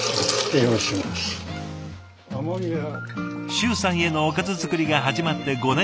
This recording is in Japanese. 周さんへのおかず作りが始まって５年ほど。